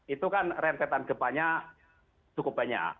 itu kan rentetan gempanya cukup banyak